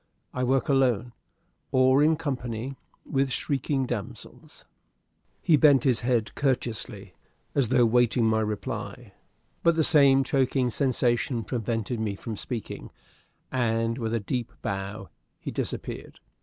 I work alone, or in company with shrieking damsels." He bent his head courteously, as though awaiting my reply, but the same choking sensation prevented me from speaking; and, with a deep bow, he disappeared.